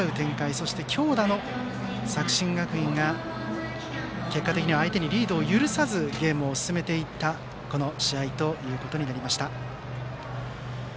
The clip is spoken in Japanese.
そして、強打の作新学院が結果的には相手にリードを許さずゲームを進めていったこの試合となりました。